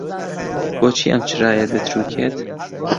بۆچی ئەم چرایە دەترووکێت؟